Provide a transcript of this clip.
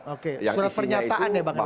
oke surat pernyataan ya bang ya